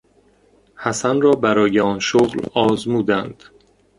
حسن را برای آن شغل آزمودند.